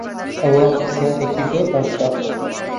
ئەوە پرسیارێکی زۆر باشە.